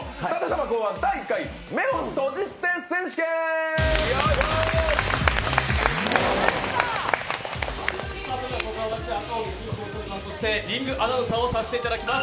今回も赤荻、リングアナウンサーをさせていただきます。